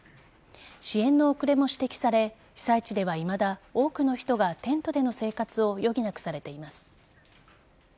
支援の遅れも指摘され被災地ではいまだ多くの人がテントでの生活を余儀なくされています。